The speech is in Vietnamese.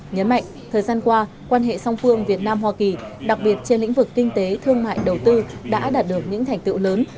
nhấn mạnh thời gian qua quan hệ song phương việt nam hoa kỳ đặc biệt trên lĩnh vực kinh tế thương mại đầu tư đã đạt được những thành tựu lớn